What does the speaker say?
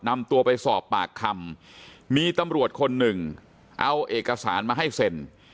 นำตัวไปสอบปากคำมีตำรวจคนหนึ่งเอาเอกสารมาให้เซ็น